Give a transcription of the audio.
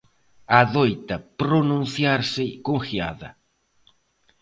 Adoita pronunciarse con gheada.